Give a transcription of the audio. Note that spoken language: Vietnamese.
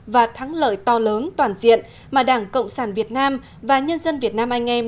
và thắng lợi to lớn toàn diện mà đảng cộng sản việt nam và nhân dân việt nam anh em